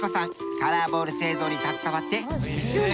カラーボール製造に携わって２０年。